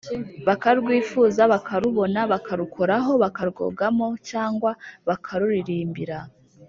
bakarwifuza, bakarubona, bakarukoraho, bakarwogamo, cyangwa bakaruririmbira